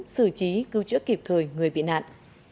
xử trí cứu chữa kịp thời người bị nạn